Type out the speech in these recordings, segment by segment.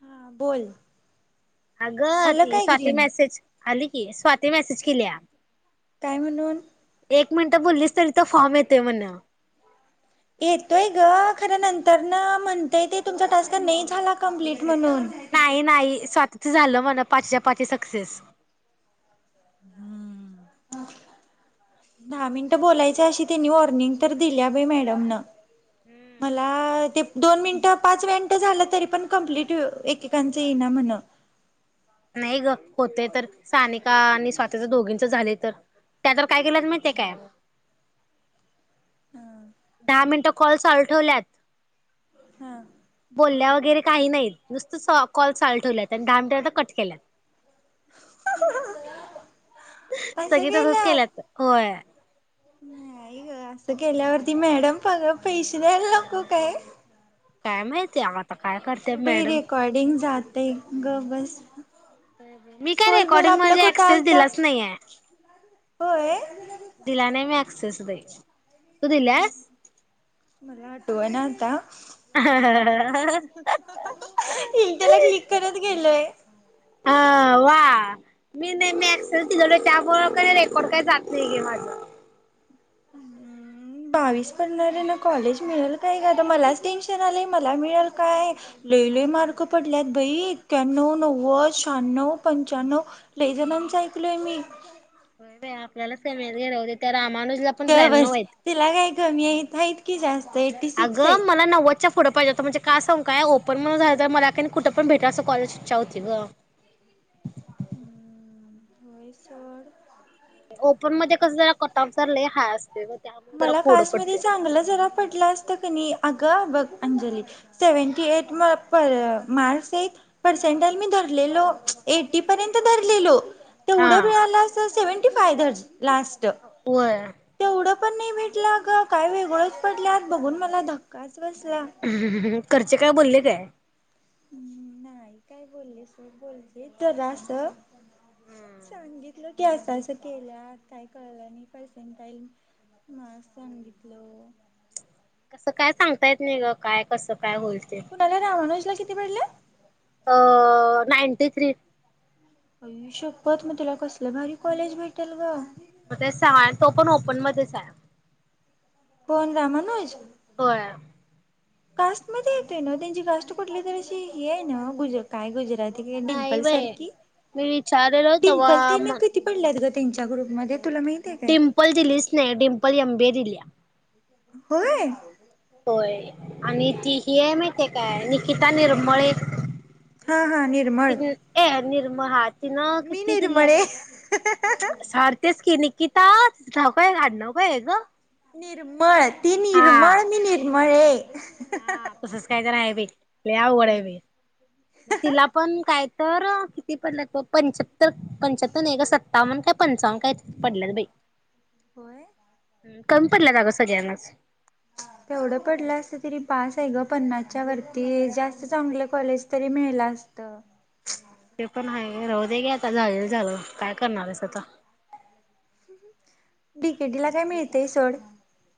हा बोल अगं आलं ती काय स्वाती ग्रीन मेसेज आली की स्वाती मेसेज केलीया काय म्हणून एक मिनिटं बोललीस तरी तो फॉर्म येतंय म्हण येतोय गं! खर नंतर नं म्हणतय ते तुमचा टास्क नइ झाला कंप्लीट म्हणून नाही नाही स्वातीच झालं म्हण पाचच्या पाची सक्सेस हं दहा मिन्ट बोलायच अशी त्यांनी वॉर्निंग तर दिल्या बाई मॅडम न मला ते दोन मिनं पाच मिन्ट झाल तरी पण कम्प्लीट एककांच येईना म्हण नाही ग होते तर सानिका आणि स्वातीच दोघींच झाले तर, त्या तर काय केल्यात माहिती हाय काय हम दहा मिनटं कॉल चालू ठेवल्यात, हा बोलल्या वगैरे काही नाहीत, नुसतं स कॉल चालू ठेवल्यात आणि दहा मिनिटा नंत कट केल्यात असं सगळी तसच केलं केल्यात होय नाही ग असं केल्यावरती मॅडम पगा पैसे द्यायला को काय काय महिती ऐ बाई रेकॉर्डिंग झा ते गप बस मी काय बोल बोल रेकॉर्डिंग आपला म्हणजे कुठं ऍक्सेस आलता दिलाच नाहीये होय दिला नाही मी ऍक्सेस बाई तू दिल्यास? तू हाय ना आता हा त्याला क्लिक करत गेलोय अ-वा मी नाही मी अँक्सेस दिलोलो एक त्यामुळ काय रेकॉर्ड काही जात नाहीये माझ अम् बावीस पडणारे ना कॉलेज मिळेल काय ग आता मलाच टेन्शन आलंय मला मिळेल काय लई लई मार्क पडल्यात बाई ए्याण्नव नव्वद शहाण्णव पंच्याण्णव लई जणच ऐकलोय मी. होय बाई आपल्यालाचं कमीत राहुदे त्या रामानुजला पण ग त्र्याण्णव बस! आहेत. तिला काय कमी आहेत, आहेत कि जास्त एट्टी सिक्सेत अगं मला नव्वदच्या पुढं पाहिजे होत म्हणजे का सांगु काय ओपन म्हणून झायचाय मला का नई कुठं पण भेटल असं कॉलेज इच्छा होती ग म्ह होय सोड ओपन मध्ये कसं, जरा कटाआऊट चा लय हाय असतो गं मला काशमध्ये चांगलं जरा पडला असतं क नही आ कं बघ अंजली! सेव्हनटी एट म-प-अ मार्क्स हेत, पर्सेंटल धरलेलो, मच एटी पर्यंत धरलेलो हा तेवढं मिळालं असं सेवं [unintelligible] लास्ट होय तेवढं पण नाही भेटला ग काय वेगळच पडल्यात बघून मला धक्काच बसला घरचे काय बोलले काय हम्म! नाही काय बोलले सोड, बोललेत जरासं संगित ल की असं-असं केल्यात काय कळलं नाही पर्सेंटाईल. म सांगितलं. असं काय सांगता येत नाही ग? काय, कसं? काय होईल ते कुणाला रामानुजला किती पडलं अ नाइन तेच री आई शप्पथ! मग तेला कसलं भारी कॉलेज भेटेल ग. मग ते सहा हाय आणि तो पण ओपन मध्येच हाया कोण रामानूज होय कास्टमध्ये येतय ना त्यांची कास्ट कुठली तर अशी हे आहे ना गुजर काय गुजर? नाही डिंपल बाई सारकी. मी विचारलेलो डिंपल तेव्हा तिनं म किती पडल्यात ग तिला तीनच्या ग्रुपमध्ये तुला माहित आहे काय डिम्पल दिलीच नाही. डम्पल एमबी दिलीया. होय होय आणि ती ही हाय मा ते काय निकिता निर्मळे. हा हा निर्मळ निर्मा हात ति न मी किती दिल्या निर्मळ आहे बर सार तेच कि किता तुझं नाव काय आहे? आडनाव काय आहे ग? निर्मळ हाईत ती निर्मळ, मी निर्म मळे हा तसंच काय तर आहे रे लई अवघड आहे बाई हे. मग तिला पण काय तर किती पडल्यात बघ पंच्याहत्तर, पंच्याहत्तर नाही ग सत्तावन काय पंचावन्न कायतर पडल्यात बाई. होय हम्म कमी पडल्यात अगं सगळ्यांनाच. तेवढं पडलं असत तरी पास आहे ग पन्नासच्या वरती जास्त चांगलं कॉलेज तरी मिळलं असत. ते पण आहे राहु दे घे आता गाळलेल्या जागा काय करणार आहेस आता बीकेट ला काय मिळतय सोड.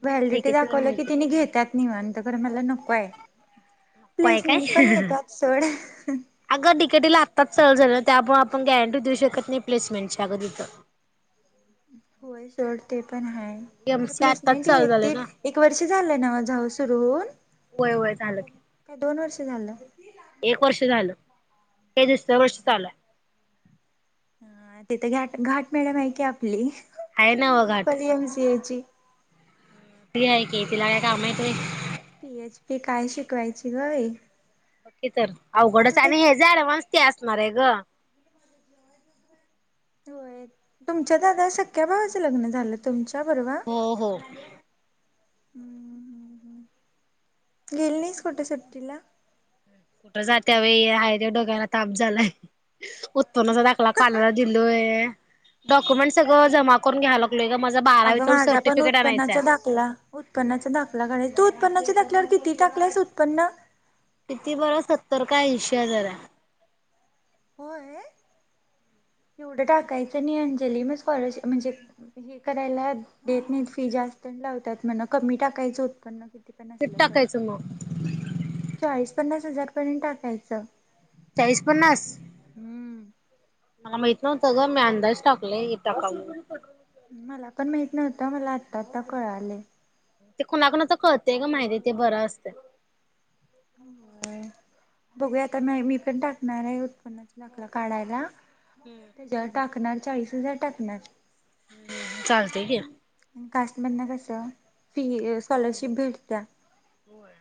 हम्म व्हॅलिडिटी डिकेटीला दाखवलं की मिळते तेनी घेत्यात निवांत खरं मला नको आहे. काय काय? प्लेसमेंट पण येत्यात सोड. अगं डी के टीला आत्ताच चालू झालं ना त्यामुळे आपण गॅरंटी देऊ शकत नाही प्लेसमेंटची अग तिथं. होय सोड ते पण हाय एम खरं सी आत्ताच प्लेसमेंट चालू झालं येते. ना. एक वर्ष झालं नवं जाऊ सुरु होऊन. होय होय झालं की. का दोन वर्ष? ते झाल. एक वर्ष झालं ते दुसर वर्ष चालू आहे हा तिथे घाट घाट मॅडम आहे की आपली आहे नव्ह अं घाट पली एमसीएची ती आहे कि तिला काय काम आहेत होय? पीएचपी काय शिकवायची ग बाई? बघ की तर अवघडच कुठे आणि हेज ऍडव्हान्स त्यात मरे ग होय तुमच्या दादा सख्या भावाचं लग्न झालं तुमच्या [unintelligible] परवा हम्म, हो हो हम्म, हम्म, हम्म गेली नाहीस कुठं सुट्टीला? कुठं जात्या बाई हाय ते डोक्याला ताप झालाय उत्पन्नाचा दाखला काढायला दिलोय डॉ डॉक्युमेंट सगळं जमा करून घ्याल अगं माझा पण उत्पन्नाचा दाखला, उत्पन्नाचा दाखला काढायचा तू उत्पन्नाच्या दाखल्यावर किती टाकल्यास उत्पन्न किती बरं सत्तर का ऐंशी प्या जरा होय एवढं टाकायचं नाही अंजली मग स्कॉलरशिप म्हणजे हे करायला देत नाही फी जास्त लावतात म्हण कमी टाकायचं उत्पन्न पण कधी असलं तर टाकायचं मग? चाळीस पन्नास हजार पर्यंत टाकायचं चाळीस पन्नास हम्म मला माहित नव्हतं ग मी अंदाज टाकलंय टाकाव म्हणून मला पण माहित नव्हतं मला आता आता कळालय ते कुणाकुणाच कळतेय ग माहिती आहे ते बरं असतय [unintelligible] बघू आता मी पण टाकणार आहे उत्पन्नाचा दाखला काढायला त्याच्या वर टाकणार चाळीस हजार टाकणार चालतेय कि कास्ट मधन कसं [unintelligible] स्कॉलरशिप भेटत्या होय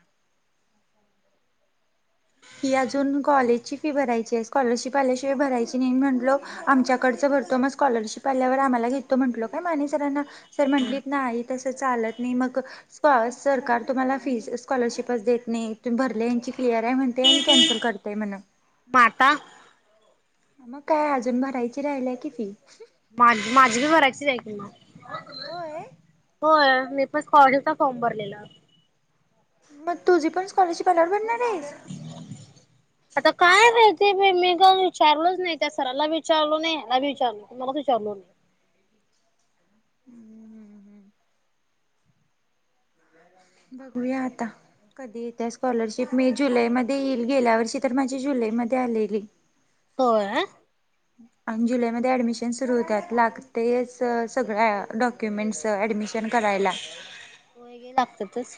ही अजून कॉलेजची फी भरायची आहे, स्कॉलरशिप आल्याशिवाय भरायची नाही म्हंटलो आमच्याकडच भरतो मग स्कॉलरशिप आल्यावर आम्हाला घेतो म्हंटलो काय माने सरांना सर म्हटलीत नाहीत तसं चालत नाही मग सरकार तुम्हाला फीज स्कॉलरशिपची देत नाही तुम्ही भरली यांची क्लिअर आहे म ते आणि कॅन्सल काढतय म्हण ता मग काय अजून भरायची राहिल्या की फी माझ माझी बी भरायचीच हाय की मग होय. होय मी [unintelligible] फॉर्म भरलेला मग तुझी पण स्कॉलरशिप आल्यावर भरणार आहेस आता काय [unintelligible] मी का विचारलोच नाही त्या सराला विचारलो नाही आणि विचारलं कुणालाच विचारलो नाही हम्म हम्म हम्म बघूया आता कधीे येत्या स्कॉलरशिप मे जुलै मध्ये येईल गेल्या वर्षी तर माझी जुलै मध्ये आलेली होय आणि जुलैमध्ये ऍडमिशन सुरू होत्यात लागतेयच सगळ्या डॉक्युमेंट्स ऍडमिशन करायला. वय गेलं लागतातच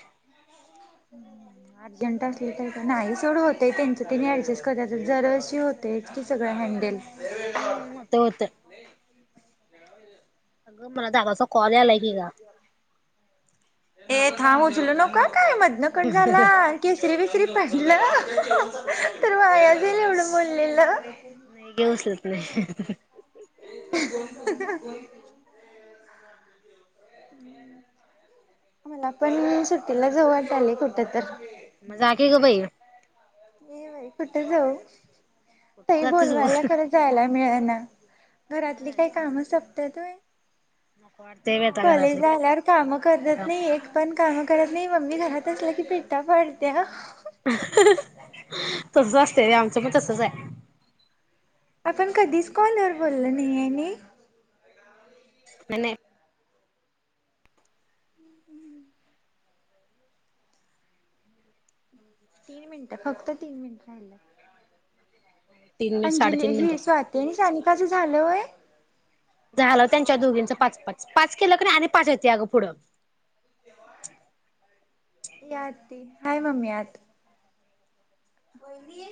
अर्जंट असलं तर नाही सवडं होतय त्यांचं त्यांनी ऍडजस्ट करत्यात दरवर्षी होतयच की सगळं हँडल ह् होत होत अगं मला जावा अस कॉल यालाय कि ग, ए थांब उचलू नको काय मधनकट झाला केसरी बीसरी पडलं [unintelligible] नाही वाया जाईल एवढं बोललेलं गं उचलत [unintelligible] [unintelligible] आम्हाला पण सुटीला जाऊ वाटायलंय कुठं तरी मग जा कि गं बाई, ये बाई कुठ जाऊ कुठं तई जातेस बोलवाल्या वर खरं जायला मिळना घरातली होय काही काम सप त्यात व्हय नको वाटतंय बाई आता कॉलेज घरातले झाल्यावर काम करतात काम नाही एक पण काम कळत नाही मम्मी घरात असलं की पिट्टा पाडत्या तस असतय व्हय आमचं पण तसच आहे. आपण कधीच कॉलवर बोल्लो नय नाही नाही नां तीन मिनिट फक्त तीन मिनिट राहिलय तीन मिनिट अंजली साडेतीन मिनिट ही स्वाती आणि [unintelligible] तसं झालंय होय झालं त्यांच्या दोघींचं पाच पाच पाच केलं की नाही आणि पाच येतय अगं पुढं या आती हाय मम्मी आत बरीये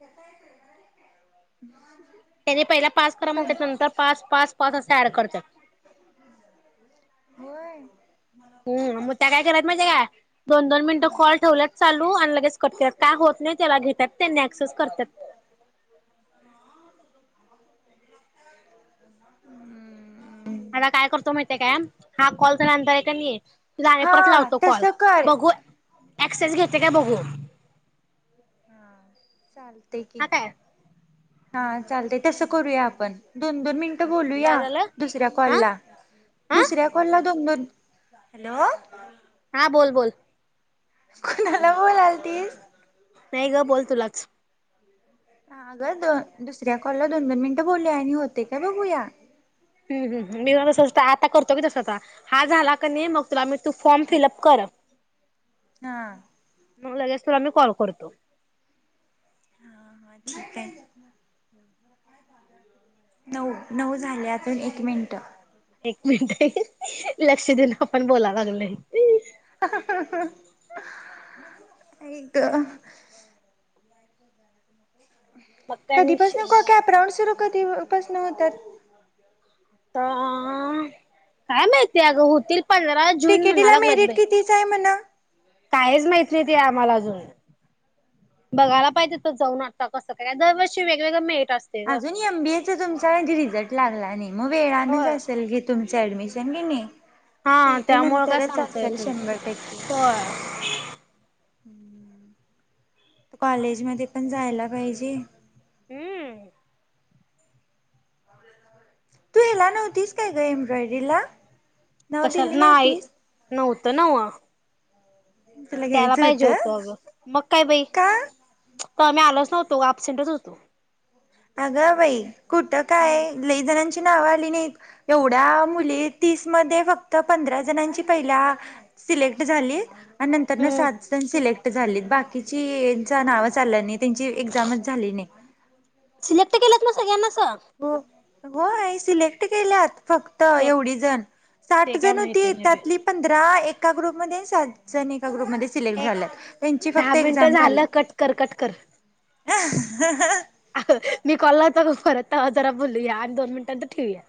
[unintelligible] त्यानी पहिला पास करा म्हणत्यात नंतर पास पास पाच च त्या ॲड करत्यात व्हय हम् मग त्या काय केल्यात माहितीये का दोन दोन मिनिटं कॉल ठेवलात चालू आणि लगेच कट करता काय होत नाही त्याला घेतात त्यांनी ऍक्सेस करत्यात [unintelligible] हम् आता काय करतो माहितीय काय हा कॉल झाल्या कनी तुला आणि परत हा लावतो कॉल, तसं कर. बघू एक्सेस घेतय काय बघू हा चाल ते की काय हा चालतय तसं करूया आपण दोन-दोन मिनट बोलू या काय झालं? दुसऱ्या हा कॉलला, हा दुसऱ्या कॉलला दोन-दोन हॅलो हा बोल बोल कुणाला बोलालतीस? नाही गं बोल तुलाच अगं दो दुसऱ्या कॉलला दोन-दोन मिनिटं बोलुया आणि होतय का बघू या ह ह ह मी जरासाच आता करतो की तसच आता हा झाला कनी मग तुला मी तू फॉर्म फिलअप कर हा मग लगेच तुला मी कॉल करतो हा-हा ठीक हाय हम् नऊ-नऊ झाले अजून एक मिन ठ मिनट लक्ष देऊन आपण बोला लागलोय आई गं मग काय आणि कधी पासनं विशेष को कॅपराऊंड सुरू कधी पासनं होत्यात? आता काय माहिती अगं होतील पंधरा डि जून के टी ला मेरिट कितीचं हाय म्हण? कायच माहित नाही ते आम्हाला अजून, बघाला पाहिजे तिथं जाऊन आता कसं काय दरवर्षी वेगवेगळं मिळ अजून एमबीएचा तुमचा रिझल्ट लागला नाही मग वेळनच होय असेल घे तुम चे ॲडमिशन कने हा त्यामुळं काय सांगता येत नाही शंभर होय हम्मम्म! कॉलेज मध्ये पण जायला पाहिजे हम्म तू हेला नव्हतीस काय गं एम्ब्रॉयडिला? कशा नाही नव्हतं त नव्हं तुला त्याला घ्यायचं पायजे होतं अगं, मग काय बाई का तवा मी आलोच नव्हतो वो अपसेंटच होतो अगं बाई! कुठं काय लई जणांची ती नावं आली नाहीत येवड्या मुली तीस मध्ये फक्त पंधरा जनांची पहिला सिलेक्ट झालीत आणि नंतर हम्म सात जण सिलेक्ट झालीत बाकीची नावंच आलं नाही त्यांची एक्झामच झाली नाही सिलेक्ट केल्यात मग सगळ्यांनाच हो [unintelligible] होय सिलेक्ट केल्यात फक्त ते एवढी जण साठ ते काय जण माहिती होती नाही त्यातली पंधरा ए एका ग्रुप मध्ये सात जणी एका ग्रुप मध्ये सिलेक्ट बाई झाल्यात त्यांची फक्त दहा मिनटं एकझाम झाल्या झालं कट कर कट कर. आता जरा बोलूयाआणि दोन मिनिटा नंतर ठेवूया.